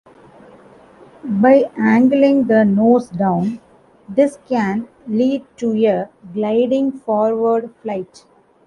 By angling the nose down, this can lead to a gliding forward flight.